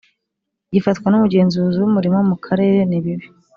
gifatwa n Umugenzuzi w Umurimo mu Karere nibibi